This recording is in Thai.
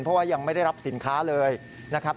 เพราะว่ายังไม่ได้รับสินค้าเลยนะครับ